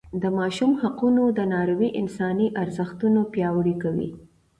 د ماشوم حقونو درناوی انساني ارزښتونه پیاوړي کوي.